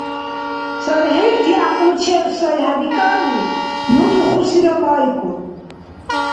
ЦархӀилти гӀякьлучев сай хӀебикӀалли, ну духусира майкӀуд.